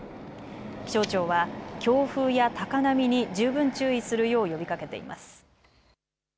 気象庁は強風や高波に十分注意するよう呼びかけています。